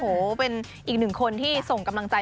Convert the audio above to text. โอ้โหเป็นอีกหนึ่งคนที่ส่งกำลังใจ